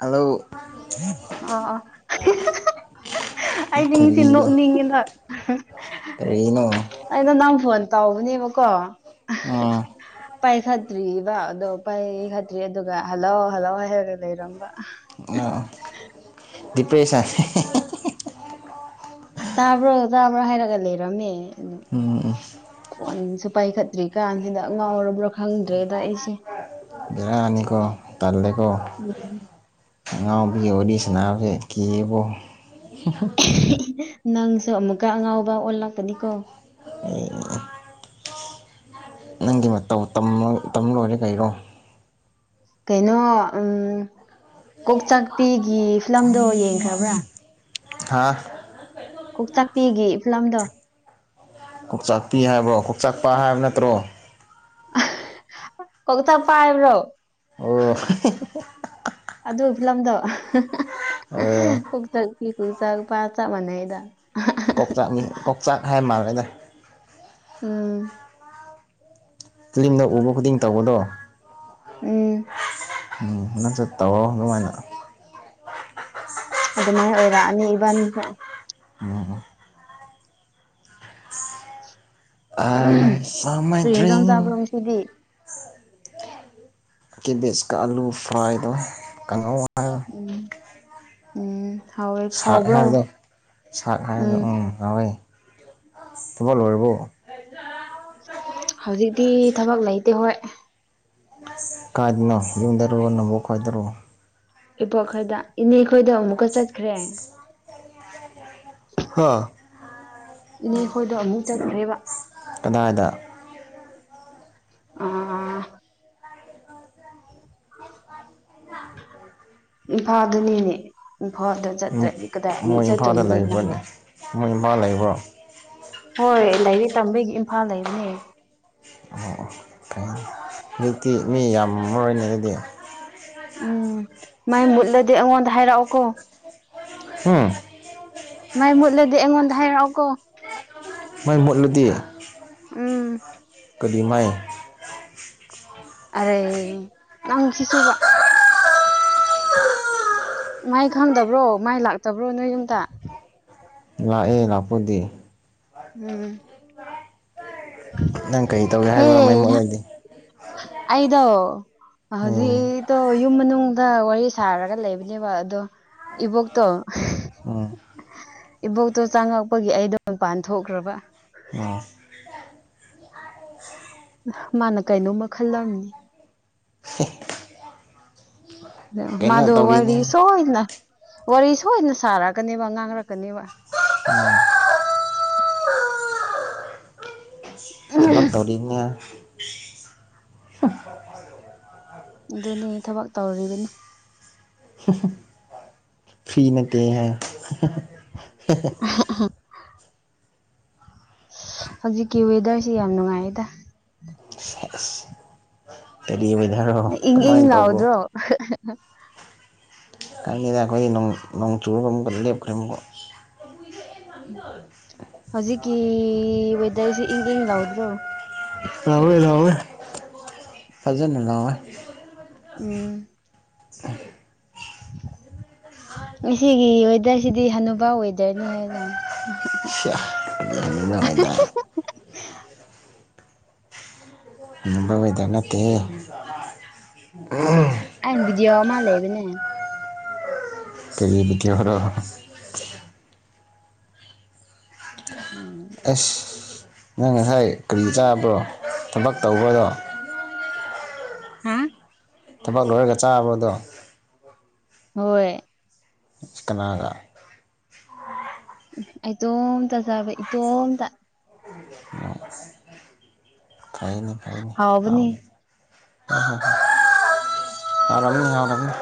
Hello. ꯑ ꯑꯥ꯫ ꯑꯩꯗꯤ ꯅꯪꯁꯤ ꯀꯔꯤꯅꯣ ꯅꯣꯛꯅꯤꯡꯉꯤꯅ ꯀꯔꯤꯅꯣ ꯑꯩꯅ ꯅꯪ ꯐꯣꯟ ꯇꯥꯎꯕꯅꯦꯕꯀꯣ꯫ ꯑ ꯄꯥꯏꯈꯠꯇ꯭ꯔꯤꯕ ꯑꯗꯣ ꯄꯥꯏꯈꯠꯇ꯭ꯔꯤ ꯑꯗꯨꯒ ꯍꯜꯂꯥꯎ ꯍꯜꯂꯥꯎ ꯍꯥꯏꯔꯒ ꯂꯩꯔꯝꯕ ꯑꯣ ꯗꯤꯄ꯭ꯔꯦꯁꯟ ꯇꯥꯕ꯭ꯔꯣ ꯇꯥꯕ꯭ꯔꯥ ꯍꯥꯏꯔꯒ ꯂꯩꯔꯝꯃꯦ ꯎꯝ ꯎꯝ ꯑꯗꯨꯣꯟ ꯄꯥꯏꯈꯠꯇ꯭ꯔꯤ ꯀꯥꯟꯁꯤꯗ ꯉꯥꯎꯔꯕ꯭ꯔꯥ ꯈꯪꯗ꯭ꯔꯦꯗ ꯑꯩꯁꯦ ꯅꯤ ꯀꯣ ꯇꯥꯂꯦ ꯎꯝ ꯑ ꯐꯤ ꯑꯣꯏꯔꯤ ꯁꯅꯥꯁꯦ ꯀꯕꯣ ꯅꯪꯁꯨ ꯑꯃꯨꯛꯀ ꯑꯉꯥꯎꯕ ꯑꯣꯜꯂꯛꯀꯅꯤꯀꯣ ꯅꯪꯒꯤ ꯃꯇꯧ ꯇꯝ ꯂꯣꯏꯔꯦ ꯀꯔꯣ ꯀꯩꯅꯩꯅꯣ ꯎꯝ ꯀꯣꯛꯆꯥꯛꯄꯤꯒꯤ ꯐꯤꯂꯝꯗꯣ ꯌꯦꯡꯈ꯭ꯔꯕ꯭ꯔꯥ ꯍꯥꯥ ꯀꯣꯛꯇꯥꯛꯄꯤꯒꯦ ꯏꯐꯂꯝꯗꯣ ꯀꯥꯛꯆꯥꯛꯄꯤ ꯍꯥꯏꯕ꯭ꯔꯣ ꯀꯥꯛꯆꯥꯛꯄ ꯍꯥꯏꯕ ꯅꯠꯇ꯭ꯔꯣ ꯀ ꯊ ꯄꯥꯏꯕ꯭ꯔꯣ ꯑꯣ ꯑꯗꯨ ꯐꯤꯂꯝꯗꯣ ꯐꯛ ꯆꯤ ꯈꯨ ꯆ ꯄꯥ ꯆ ꯃꯅꯩꯗ ꯀꯣꯛꯆꯥꯛꯅꯤ ꯀꯣꯛꯆꯥꯛ ꯍꯥꯏ ꯃꯥꯜꯂꯦꯗ ꯎꯝ ꯐꯤꯂꯤꯝꯗ ꯎꯕꯣ ꯀꯗ ꯇꯥꯕꯣꯗꯣ ꯎꯝ ꯎꯝ ꯅꯪꯁꯨꯦ ꯇꯧꯑꯣꯣ ꯑꯗꯨꯃꯥꯏꯅ ꯑꯗꯨꯃꯥꯏꯅ ꯑꯣꯏꯔꯛꯑꯅꯤ ꯏꯕꯥꯅꯤꯁꯨ ꯑ ꯀꯔꯤ ꯁꯃꯔꯤ ꯌꯦꯟꯖꯥꯡ ꯆꯥꯕ꯭ꯔꯣ ꯉꯁꯤꯗꯤ ꯀꯦꯕꯤꯖꯀ ꯑꯂꯨ ꯐ꯭ꯔꯥꯏꯗ ꯀꯪꯉ ꯎꯝ ꯎꯝ ꯍꯥꯎꯋꯦ ꯁꯔ ꯍꯥꯎꯕ꯭ꯔꯣ ꯍꯥꯏꯕꯗꯣ ꯁꯛ ꯍꯥꯏꯕꯗꯣ ꯎꯝ ꯍꯋꯏ ꯊꯃ ꯂꯣꯏꯔꯕꯣ ꯍꯧꯖꯤꯛꯇꯤ ꯊꯕꯛ ꯂꯩꯇꯦ ꯍꯣꯏ ꯀꯥꯏꯗꯅꯣ ꯌꯨꯝꯗꯔꯨꯨꯔꯣ ꯅꯕꯨ ꯈꯣꯏꯗꯔꯨꯣ ꯏꯄꯣ ꯈꯔꯗ ꯏꯅꯦ ꯈꯣꯏꯗ ꯑꯃꯨꯛꯀ ꯆꯠꯈ꯭ꯔꯦ ꯍꯥ ꯏꯅꯦꯈꯣꯏꯗꯣ ꯑꯃꯨꯛ ꯆꯠꯈ꯭ꯔꯦꯕ ꯀꯗꯥꯏꯗ ꯑ ꯐꯥꯗꯅꯤꯅꯦ ꯍꯣꯏ ꯑꯗꯨꯣ ꯆꯠꯇ꯭ꯔꯗꯤ ꯀꯗꯥꯏꯨꯛ ꯃꯣꯏ ꯏꯝꯐꯥꯜꯗ ꯆꯠꯇꯣꯏꯅꯣ ꯂꯩꯕ꯭ꯔꯅꯦ ꯃꯣꯏ ꯏꯝꯐꯥꯜ ꯂꯩꯕ꯭ꯔꯣ ꯍꯣꯏ ꯂꯩꯔꯤ ꯇꯝꯕꯒꯤ ꯏꯝꯐꯥꯜ ꯂꯩꯕꯅꯦ ꯩ ꯍꯧꯖꯤꯛꯇꯤ ꯃꯤ ꯌꯥꯝ ꯃꯔ ꯑꯣꯏꯅ ꯑꯗꯨꯗꯤ ꯎꯝ ꯃꯥꯏ ꯃꯨꯗꯂꯦ ꯑꯃꯉꯣꯟꯗꯔꯛꯑꯣꯀꯣ ꯎꯝ ꯃꯥꯏ ꯃꯨꯠꯂꯗꯤ ꯑꯩꯉꯣꯟꯗ ꯍꯥꯏꯔꯛꯑꯣꯀꯣ ꯃꯥꯏ ꯃꯨꯠꯂꯦꯦ ꯎꯝ ꯀꯗꯤꯃꯥꯏ ꯑꯔ ꯅꯁꯤꯁꯨꯕ ꯃꯥꯏ ꯈꯪꯗꯕ꯭ꯔꯣ ꯃꯥꯏ ꯂꯥꯛꯇꯕ꯭ꯔꯣ ꯅꯣꯏ ꯌꯨꯝꯗ ꯂꯥꯛꯑꯦ ꯂꯥꯛꯄꯨꯗꯤ ꯎꯝ ꯅꯪ ꯀꯔꯤ ꯇꯧꯒꯦ ꯍꯦ ꯍꯥꯏꯕ ꯃꯩ ꯃꯣꯠꯂꯗꯤꯦ ꯑꯩꯗꯣ ꯎꯝ ꯍꯧꯖꯤꯛꯇꯣ ꯌꯨꯝ ꯃꯅꯨꯡꯗ ꯋꯥꯔꯤ ꯁꯥꯔꯒ ꯂꯩꯕꯅꯦꯕ ꯑꯗꯣ ꯏꯕꯣꯛ ꯇꯣ ꯎꯝ ꯏꯕꯣꯛꯇꯣ ꯆꯪꯉꯛꯄꯒꯤ ꯑꯩꯗꯣ ꯃꯄꯥꯟ ꯊꯣꯛꯈ꯭ꯔꯕ ꯎꯝ ꯃꯥꯅ ꯀꯩꯅꯣꯝꯃ ꯈꯜꯂꯝꯅꯤ ꯀꯩꯅꯣ ꯃꯥꯗꯣ ꯇꯧꯔꯤꯅꯦ ꯋꯥꯔꯤ ꯁꯣꯏꯗꯅ ꯋꯥꯔꯤ ꯁꯣꯏꯗꯅ ꯁꯥꯔꯛꯀꯅꯦꯕ ꯉꯥꯡꯂꯛꯀꯅꯦꯕ ꯊꯕꯛ ꯇꯧꯔꯤꯅꯦ ꯑꯗꯨꯅꯦ ꯊꯕꯛ ꯇꯧꯔꯤꯕꯅꯤ ꯐꯔꯤ ꯅꯠꯇꯦ ꯍꯥꯏꯌꯣ ꯍꯧꯖꯤꯛꯀꯤ ꯋꯦꯗꯔꯁꯤ ꯌꯥꯝ ꯅꯨꯡꯉꯥꯏꯌꯦꯗ ꯁꯦꯁ ꯀꯔꯤ ꯋꯦꯗꯔꯔꯣ ꯏꯪ ꯏꯪ ꯀꯃꯥꯏꯅ ꯇꯧꯕ꯭ꯔꯣ ꯂꯥꯎꯕꯗꯣ ꯈꯪꯉꯦꯗ ꯑꯩꯈꯣꯏꯒꯤ ꯅꯣꯡ ꯆꯨꯔꯒ ꯑꯃꯨꯛꯀ ꯂꯦꯞꯈ꯭ꯔꯦ ꯍꯧꯖꯤꯛꯀꯤ ꯋꯦꯗꯔꯁꯤ ꯏꯪ ꯏꯪ ꯂꯧꯗ꯭ꯔꯣ ꯂꯥꯎꯋꯦ ꯂꯥꯎꯋꯦ ꯐꯖꯅꯅ ꯂꯥꯎꯋꯦ ꯎꯝ ꯎ [unintelligible] ꯉꯁꯤꯒꯤ ꯋꯦꯗꯔꯁꯤꯗꯤ ꯍꯅꯨꯕꯥ ꯋꯦꯗꯔꯅꯤ ꯍꯥꯏꯕꯗꯣ ꯅ ꯑꯣꯏꯗ [unintelligible] ꯅꯠꯇꯦꯍꯦ ꯑꯩ ꯕꯤꯗꯤꯌꯣ ꯑꯃꯥ ꯂꯩꯕꯅꯦ ꯀꯔꯤ ꯕꯤꯗ꯭ꯌꯤꯅꯣ ꯎꯝ ꯑꯁ ꯅꯪ ꯉꯁꯥꯏ ꯀꯔꯤ ꯆꯥꯕ꯭ꯔꯣ ꯊꯕꯛ ꯇꯧꯕꯗꯣ ꯍꯝ ꯊꯕꯛ ꯂꯣꯏꯔꯒ ꯆꯥꯕꯗꯣ ꯍꯣꯏ ꯀꯅꯥꯒ ꯏꯇꯣꯝꯇ ꯖꯥꯕ ꯏꯇꯣꯝꯇ ꯐꯩꯅꯦ ꯐꯩꯅꯦ ꯍꯥꯎꯕꯅꯤ ꯆꯥꯎꯅꯦ ꯎꯝ ꯍꯥꯎꯔꯝꯅꯤ ꯍꯥꯎꯔꯝꯅꯤ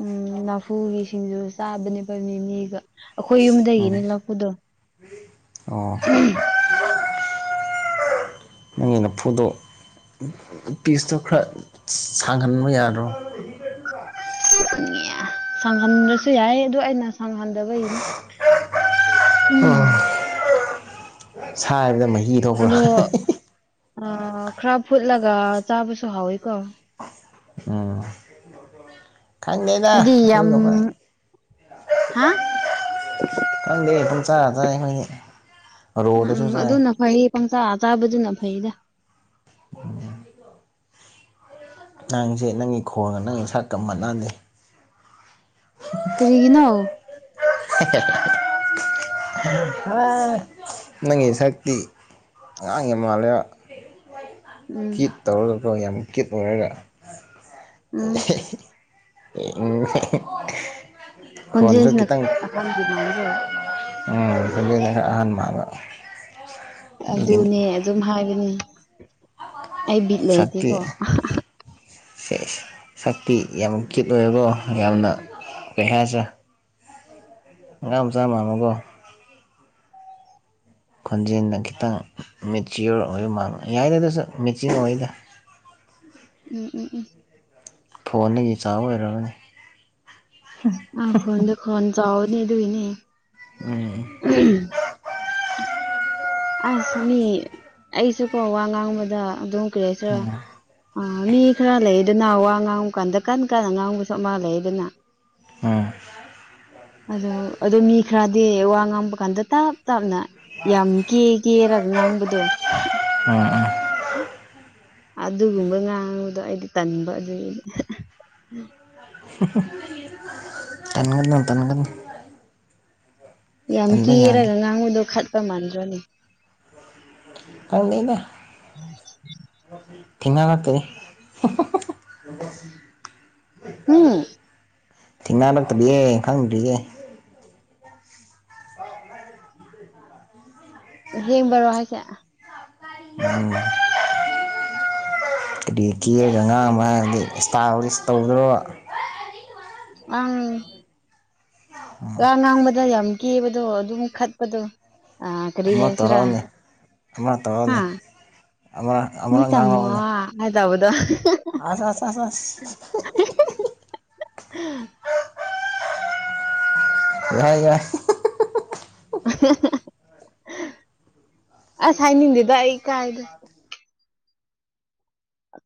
ꯎꯝ ꯂꯐꯨꯒꯤ ꯁꯤꯡꯖꯨ ꯆꯥꯕꯅꯦꯕ ꯃꯤꯃꯤꯒ ꯑꯩꯈꯣꯏ ꯎꯝ ꯌꯨꯝꯗꯒꯤꯅꯦ ꯂꯐꯨꯗꯣ ꯑꯣ ꯎꯝ ꯂꯥꯐꯨꯗꯣ ꯄꯤꯁꯇꯣ ꯈꯔ ꯁꯥꯡꯍꯟꯕ ꯌꯥꯗ꯭ꯔꯣ ꯁꯪꯍꯟꯗ꯭ꯔꯁꯨ ꯌꯥꯏꯌꯦ ꯑꯗꯨ ꯑꯩꯅ ꯁꯪꯍꯟꯗꯕꯩꯅꯦ ꯎꯝ ꯁꯥꯏꯕꯗ ꯃꯍꯤ ꯊꯣꯛꯄ꯭ꯔ ꯑ ꯈꯔ ꯐꯨꯠꯂꯒ ꯆꯥꯕꯁꯨ ꯍꯥꯎꯋꯤꯀꯣ ꯎꯝ ꯈꯪꯗꯦꯗ ꯑꯗꯨꯗꯤ ꯌꯥꯝ ꯑꯗꯨꯒꯨꯝꯕ ꯍꯥ ꯈꯪꯗꯦ ꯄꯪꯆꯥ ꯆꯥꯏ ꯑꯩꯈꯣꯏꯗꯤ ꯎꯝ ꯔꯣꯗꯁꯨ ꯎꯝ ꯆꯥꯏ ꯑꯗꯨꯅ ꯐꯩ ꯄꯪꯆꯥ ꯆꯥꯕꯗꯨꯅ ꯐꯩꯗ ꯅꯪꯁꯦ ꯅꯪꯒꯤ ꯈꯣꯟꯒ ꯅꯪꯒꯤ ꯁꯛꯀ ꯃꯥꯟꯅꯥꯥꯗꯦ ꯀꯔꯤꯒꯤꯅꯣ ꯅꯪꯒꯤ ꯁꯛꯇꯤ ꯑꯉꯥꯡ ꯌꯥꯝ ꯃꯥꯟꯂꯦꯕ ꯎꯝ ꯀ꯭ꯋꯤꯠ ꯇꯧꯔꯒ ꯀꯣ ꯌꯥꯝ ꯀ꯭ꯋꯤꯠ ꯑꯣꯏꯔꯒ ꯎꯝ ꯎꯝ ꯈꯣꯟꯁꯨ ꯈꯣꯟꯖꯦꯜꯁꯤꯅ ꯈꯤꯇꯪ ꯑꯍꯟꯒꯤ ꯃꯥꯟꯗ꯭ꯔꯣ ꯎꯝ ꯈꯔ ꯑꯍꯟ ꯃꯥꯟꯕ [unintelligible] ꯑꯗꯨꯒꯤꯅꯤ ꯑꯗꯨꯅꯦ ꯑꯗꯨꯝ ꯍꯥꯏꯕꯅꯤ ꯑꯩ ꯕꯤꯠ ꯂꯩꯇꯦꯀꯣ ꯑꯍ ꯑꯍ꯫ ꯁꯦ ꯁꯛꯇꯤ ꯌꯥꯝ ꯀꯤꯌꯨꯠ ꯑꯣꯏꯀꯣ ꯌꯥꯝꯅ ꯀꯩ ꯍꯥꯏꯁꯤꯔꯥ꯫ ꯑꯉꯥꯡ ꯃꯆꯥ ꯃꯥꯟꯕꯀꫭ꯫ ꯈꯣꯟꯖꯦꯟꯗ ꯈꯤꯇꯪ ꯃꯦꯆꯤꯌꯣꯔ ꯑꯣꯏꯕ ꯃꯥꯜꯂꯦ ꯌꯥꯏꯗ ꯗꯁꯨ ꯃꯦꯆꯤꯡ ꯑꯣꯏꯗ꯫ ꯎꯝ ꯎꯝ ꯎꯝ ꯈꯣꯟꯗꯒꯤ ꯆꯥꯕ ꯑꯣꯏꯔꯝꯒꯅꯤ꯫ ꯑ ꯈꫭꯟꯗ ꯈꯣꯟ ꯆꯥꯎꯕꯅꯦ ꯑꯗꯨꯒꯤꯅꯦ꯫ ꯎꯝ ꯑꯁ ꯃꯤ ꯑꯩꯁꯨꯀꯣ ꯋꯥ ꯉꯥꯡꯕꯗ ꯑꯗꯨꯝ ꯀꯔꯤꯍꯥꯏꯁꯤꯔꯥ ꯑꯥ ꯃꯤ ꯈꯔ ꯂꯩꯌꯦꯗꯅꯥ ꯋꯥ ꯉꯥꯡꯕ ꯀꯥꯟꯗ ꯀꯟ ꯀꯟꯅ ꯉꯥꯡꯕꯁꯨ ꯑꯃꯥ ꯂꯩꯗꯅ꯫ ꯑꯣ ꯑꯗꯣ ꯑꯗꯨ ꯃꯤ ꯈꯔꯗꯤ ꯋꯥ ꯉꯥꯡꯕ ꯀꯥꯟꯗ ꯇꯥꯞ ꯇꯥꯞꯅ ꯌꯥꯝ ꯀꯦ ꯀꯦꯔꯒ ꯉꯥꯡꯕꯗꯨ ꯎꯝ ꯎꯝ ꯑꯗꯨꯒꯨꯝꯕ ꯉꯥꯡꯕꯗꯣ ꯑꯩꯗꯤ ꯇꯟꯕ ꯑꯗꯨꯒꯤꯅꯤ꯫ ꯍꯍ ꯇꯟꯒꯅꫭ-ꯇꯟꯒꯅꫭ꯫ ꯌꯥꯝ ꯌꯥꯗꯦ ꯀꯦꯔꯒ ꯉꯥꯕꯗꯣ ꯈꯠꯄ ꯃꯥꯟꯗ꯭ꯔꯣꯅꯦ꯫ ꯈꯪꯗꯦꯗ꯫ [unintelligible] ꯊꯦꯡꯅ ꯉꯛꯇꯅꯦ ꯎꯝ ꯊꯦꯡꯅꯔꯛꯇꯕꯤꯌꯦ ꯈꯪꯗ꯭ꯔꯤꯌꯦ꯫ ꯑꯁꯦꯡꯕꯔꯣ ꯍꯥꯏꯁꯦ꯫ ꯎꯝ ꯀꯔꯤ ꯀꯦꯔꯒ ꯉꯥꯡꯕ ꯍꯥꯏꯔꯗꯤ ꯁ꯭ꯇꯥꯏꯜꯂꯤꯁ ꯇꯧꯗ꯭ꯔꯣ꯫ ꯑꯪ ꯋꯥ ꯉꯥꯡꯕꯗ ꯌꯥꯝ ꯀꯦꯕꯗꯣ ꯑꯗꯨꯝ ꯈꯠꯄꯗꯣ꯫ ꯑ ꯀꯔꯤ ꯑꯃ ꯍꯥꯏꯁꯤꯔꯥ ꯇꯧꯔꯛꯎꯅꯦ ꯑꯃ ꯇꯧꯔꯛꯎꯅꯦ ꯍꯥꯥ ꯑꯃꯔꯛ ꯃꫭꯏ ꯑꯃꯔꯛ ꯇꯃꯣ ꯉꯥꯡꯔꯛꯎꯅꯦ ꯑ ꯇꯧꯕꯗꯣ꯫ ꯑꯁ ꯑꯁ ꯑꯁ ꯑꯁ ꯍꯍꯍ ꯌꯥꯏ-ꯌꯥꯏ꯫ ꯑꯍꯍ ꯑꯁ ꯍꯥꯏꯅꯤꯡꯗꯦꯗ ꯑꯩ ꯀꯥꯏꯗ꯫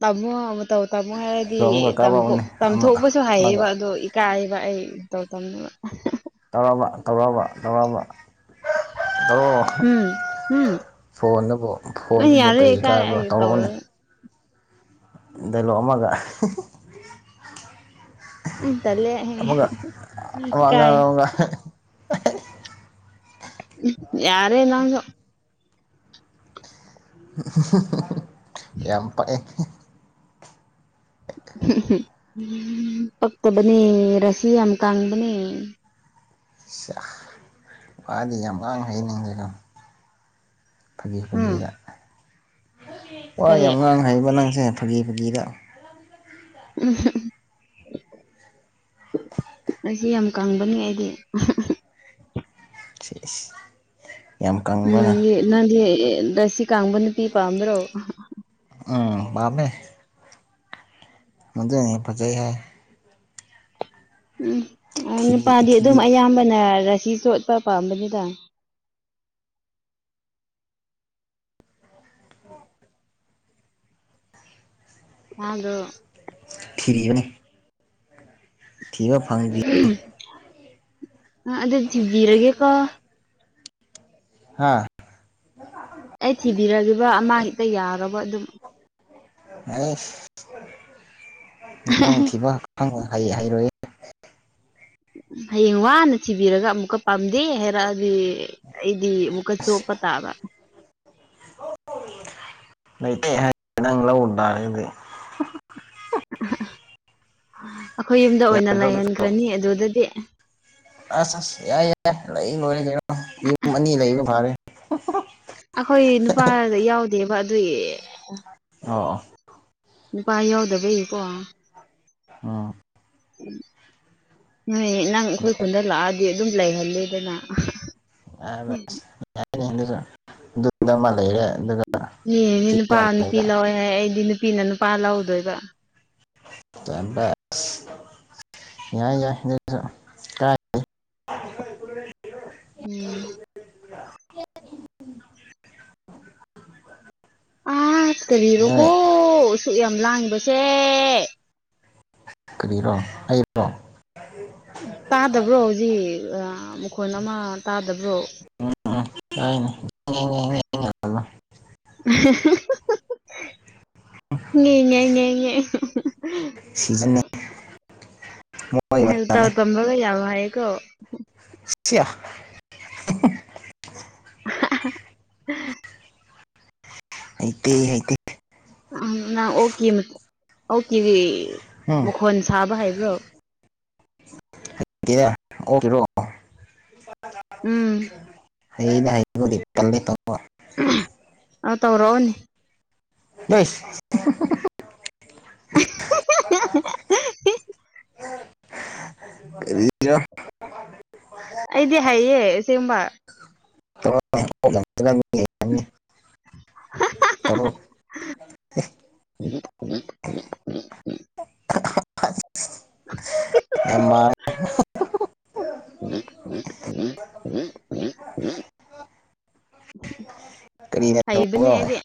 ꯇꯥꯃꯣ ꯃꯇꯧ ꯇꯥꯃꯣ ꯑꯗꯣ ꯍꯥꯏꯔꯗꯤ ꯑꯃꯨꯛꯀ ꯇꯝꯊꯣꯛ ꯀꯥꯞꯔꯛꯎꯅꯦ ꯑꯃ ꯇꯝꯊꫭꯛꯄꯁꯨ ꯑꯃꯒ ꯍꯥꯏꯌꯦꯕ꯫ ꯀꯥꯏꯕ ꯑꯩ ꯃꯇꯧ ꯇꯝꯅꯕ꯫ ꯇꯧꯔꫭꯕ ꯇꯧꯔꫭꯕ ꯇꯧꯔꫭꯕ꯫ ꯎꯝ ꯎꯝ ꯐꯣꯟꯗꯕꯨ ꯅꯪ ꯐꯣꯟꯗꯕꯨ ꯌꯥꯔꯦ ꯀꯩ ꯏꯀꯥꯏ ꯀꯥꯏꯕ꯭ꯔꯣ ꯑꯩ ꯇꯧꯔꯛꯑꯣꯅꯦ꯫ ꯇꯧꯔꯒ ꯗꯥꯏꯂꯣꯛ ꯑꯃꯒ ꯍꯤꯍꯤ ꯎꯝ ꯇꯜꯂꯦ ꯑꯃꯒ ꯋꯥ ꯏꯀꯥꯏ ꯉꯥꯡꯑꯒ ꯑꯍ ꯌꯥꯔꯦ ꯂꯥꯡꯒꯅꫭ꯫ ꯍꯍꯍ ꯌꯥꯝ ꯄꯛꯑꯦ꯫ ꯍꯍ ꯄꯛꯇꯕꯅꯤ ꯔꯥꯁꯤ ꯌꯥꯝ ꯀꯪꯕꯅꯦ꯫ ꯁꯥ ꯋꯥꯗꯤ ꯌꯥꯝ ꯉꯥꯡ ꯍꯩꯅꯤꯡꯁꯦꯀꯣ꯫ ꯐꯥꯒꯤ ꯎꯝ ꯐꯥꯒꯤꯗ ꯋꯥ ꯌꯥꯝ ꯀꯔꯤ ꯉꯥꯡ ꯍꯥꯏꯕ ꯅꯪꯁꯦ꯫ ꯐꯒꯤ ꯐꯒꯤꯗꯥ꯫ ꯎꯝꯍ ꯑꯩꯁꯦ ꯌꯥꯝ ꯀꯪꯕꯅꯤ ꯑꯩꯗꯤ꯫ ꯁꯤꯏꯁ- ꯎꯝ ꯅꯪ ꯂꯁꯤ ꯀꯪꯕ ꯅꯨꯄꯤ ꯄꯝꯕꯔꯣ ꯎꯝ ꯄꯥꯝꯃꯦ ꯃꯖꯦꯅꯤ ꯄꯖꯩ ꯍꯥꯏ ꯎꯝ ꯊꯤꯔꯤ ꯅꯨꯄꯥꯗꯤ ꯊꯤꯔꯤ ꯑꯗꯨꯝ ꯑꯌꯥꯝꯕꯅ ꯔꯁꯤ ꯆꯣꯠꯄ ꯄꯥꯝꯕꯅꯤꯗ ꯍꯗꯣ ꯊꯤꯔꯤꯌꯅꯦ ꯑ ꯑꯗꯨꯗ ꯊꯕꯤꯔꯒꯦꯀꯣ ꯍꯥꯥ ꯕꯤꯔꯕ ꯑꯃ ꯍꯦꯛꯇ ꯌꯥꯔꯕ ꯑꯗꯨꯝ ꯑꯦꯪ ꯊꯕ ꯍꯥ ꯍꯩ ꯍꯩꯔꯣꯏ ꯍꯌꯦꯡ ꯋꯥꯅ ꯊꯤꯕꯤꯔꯒ ꯑꯃꯨꯛꯀ ꯄꯥꯝꯗꯦ ꯍꯥꯏꯔꯛꯑꯗꯤ ꯑꯩꯗꯤ ꯑꯃꯨꯛꯀ ꯑꯁ ꯆꯣꯞꯄ ꯇꯥꯕ ꯂꯩꯇꯩ ꯍꯥꯏꯕ ꯅꯪ ꯂꯧꯔ ꯇꯥꯔꯒꯗꯤ ꯑꯩꯈꯣꯏ ꯌꯨꯝꯗ ꯑꯣꯏꯅ ꯌꯥꯗ꯭ꯔꯣ ꯑꯗꯨꯁꯨ ꯂꯩꯍꯟꯈ꯭ꯔꯅꯤ ꯑꯗꯨꯗꯗꯤ ꯑꯁ ꯑꯁ ꯌꯥꯏ ꯌꯥꯏ ꯂꯩ ꯂꯣꯏꯔꯦ ꯀꯩꯅꯣ ꯌꯨꯝ ꯑꯅꯤ ꯂꯩꯕ ꯐꯥꯔꯦ ꯑꯩꯈꯣꯏ ꯅꯨꯄꯥꯗ ꯌꯥꯎꯗꯦꯕ ꯑꯗꯨꯏ ꯑ ꯅꯨꯄꯥ ꯌꯥꯎꯗꯕꯩꯌꯦꯀꯣ ꯑ ꯅꯣꯏ ꯅꯪ ꯑꯩꯈꯣꯏ ꯈꯨꯟꯗ ꯂꯥꯛꯑꯗꯤ ꯑꯗꯨꯝ ꯂꯩꯍꯜꯂꯦꯗꯅ ꯑꯁ ꯌꯥꯁꯨꯗ ꯑꯃ ꯂꯩꯔꯦ ꯑꯗꯨꯒ ꯏꯅꯦ ꯅꯨꯄꯥ ꯁꯤꯗ ꯑꯃ ꯅꯨꯄꯤ ꯂꯩꯔꯦ ꯂꯧꯋꯦ ꯍꯥꯏ ꯑꯩꯗꯤ ꯅꯨꯄꯤꯅ ꯅꯨꯄꯥ ꯂꯧꯗꯣꯏꯕ ꯇꯥꯏꯝꯄꯥꯁ ꯌꯥꯏ ꯌꯥꯏꯁꯨ ꯀꯥꯏ ꯎꯝ ꯍ ꯑꯁ ꯀꯔꯤꯔꯣꯀꯣ ꯑꯁꯨꯛ ꯌꯥꯝ ꯂꯥꯡꯕꯁꯦ ꯀꯔꯤꯔꯣ ꯑꯩꯕ꯭ꯔꯣ ꯇꯥꯗꯕ꯭ꯔꯣ ꯍꯧꯖꯤꯛ ꯃꯈꯣꯟ ꯑꯃ ꯇꯥꯗꯕ꯭ꯔꯣ [unintelligible] [unintelligible] ꯁꯤꯖꯤꯅꯦ ꯍ ꯇꯥꯎ ꯇꯝꯕꯒ ꯌꯥꯕ ꯍꯥꯏꯌꯦꯒꯣ ꯁꯤꯌꯥ [unintelligible] ꯑꯩꯗꯤ ꯍꯥꯏ ꯎ ꯅꯪ ꯑꯣꯀꯤꯦ ꯑꯣꯀꯤꯦ ꯎꯝ ꯃꯈꯣꯟ ꯁꯥꯕ ꯍꯥꯏꯕ [unintelligible] ꯑꯣꯦꯔꯣ ꯎꯝ [unintelligible] ꯑ ꯇꯧꯔꯣꯅꯤ [unintelligible] [unintelligible] [inaudible] ꯀꯔꯤꯔ ꯍꯥꯏꯌꯦ ꯑꯁꯦꯡꯕ [unintelligible] [unintelligible] [unintelligible] [inaudible] ꯌꯥꯝ ꯃꯥꯜꯂꯦ ꯀꯔꯤꯅ [unintelligible] ꯑꯩꯕꯅꯤ ꯇꯧꯕ꯭ꯔꯣ ꯑꯩꯗꯤ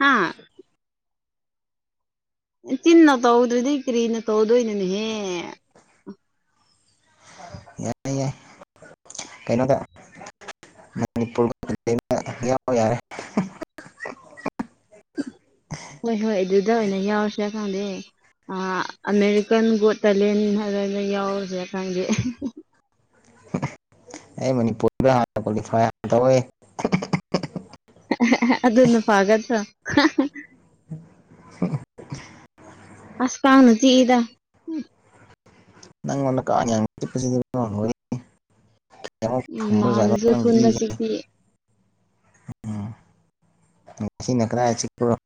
ꯍꯥꯥ ꯆꯤꯟꯅ ꯇꯧꯗ꯭ꯔꯔꯤꯗꯤ ꯀꯔꯤꯅ ꯇꯧꯗꯣꯏꯅꯣꯅꯦꯍꯦ ꯌꯥꯏ ꯌꯥꯏ ꯀꯩꯅꯣꯗ ꯃꯅꯤꯄꯨꯔꯒ ꯌꯥꯎꯕ ꯌꯥꯔꯦ ꯍꯣꯏ ꯍꯣꯏ ꯑꯗꯨꯗ ꯑꯣꯏꯅ ꯌꯥꯎꯁꯀꯥꯟꯗ ꯑꯃꯦꯔꯤꯀꯟ ꯒꯣ ꯇꯥꯏꯂꯦꯟ ꯍꯥꯏꯔꯅ ꯌꯥꯎꯁꯦꯀꯥꯟꯒꯤ ꯑꯩ ꯃꯅꯤꯄꯨꯔꯗ ꯍꯥꯟꯅ ꯌꯥꯝ ꯇꯧꯋꯦ ꯑꯗꯅ ꯄꯥꯒꯁ ꯍ ꯑꯁ ꯀꯥꯥꯎꯅꯁꯤ ꯌꯦꯗ ꯅ ꯀꯃꯣ ꯎꯝ ꯊꯝꯕꯔ ꯅꯍꯥꯟꯅꯁꯨ ꯏ ꯊꯨꯟꯗ ꯆꯤꯛꯄꯤ ꯎꯝ ꯉꯁꯤ ꯅꯈ꯭ꯔ ꯆꯤꯄ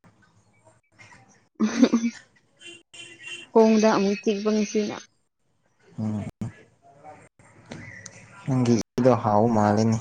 ꯈꯣꯡꯗ ꯑꯃꯨꯛ ꯆꯤꯛꯄ ꯅꯨꯡꯁꯤꯅ ꯑꯣ ꯅꯪꯒꯤ ꯏꯗꯣ ꯍꯥꯎ ꯃꯥꯂꯅꯤ